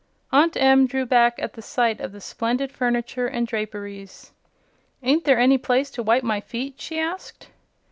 Aunt Em drew back at the sight of the splendid furniture and draperies. "Ain't there any place to wipe my feet?" she asked.